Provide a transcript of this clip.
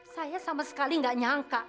saya sama sekali nggak nyangka